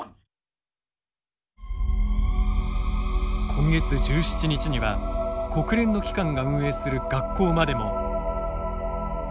今月１７日には国連の機関が運営する学校までも。